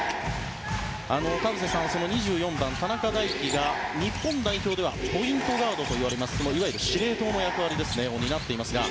田臥さん、２４番の田中大貴が日本代表ではポイントガードといわれますいわゆる司令塔の役割を担っていますが。